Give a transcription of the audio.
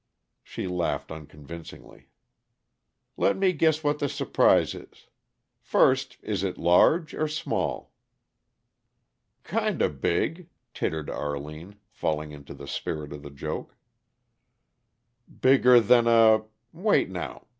She laughed unconvincingly. "Let me guess what the surprise is. First, is it large or small?" "Kinda big," tittered Arline, falling into the spirit of the joke. "Bigger than a wait, now.